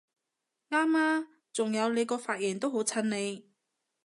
啱吖！仲有你個髮型都好襯你！